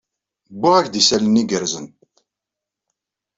Wwiɣ-ak-d isalan igerrzen.